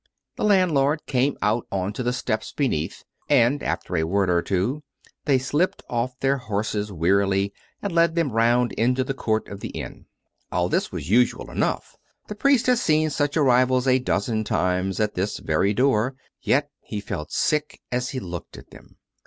The landlord came out on to the steps beneath; and after a word or two, they slipped off their horses wearily, and led them round into the court of the inn. All this was usual enough; the priest had seen such arrivals a dozen times at this very door; yet he felt sick as he looked at them.